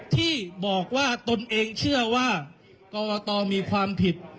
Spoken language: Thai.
ที่บอกว่าตนเองเชื่อว่ากรกตมีความผิด